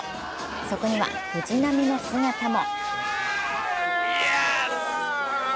そこには藤浪の姿も。